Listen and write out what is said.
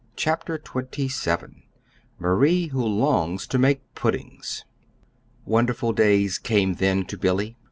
CHAPTER XXVII MARIE, WHO LONGS TO MAKE PUDDINGS Wonderful days came then to Billy.